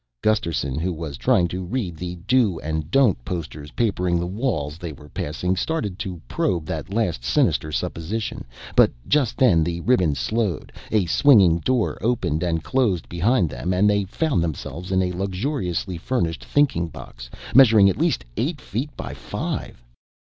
Gusterson, who was trying to read the Do and Don't posters papering the walls they were passing, started to probe that last sinister supposition, but just then the ribbon slowed, a swinging door opened and closed behind them and they found themselves in a luxuriously furnished thinking box measuring at least eight feet by five.